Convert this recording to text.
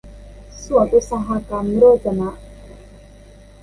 สวนอุตสาหกรรมโรจนะ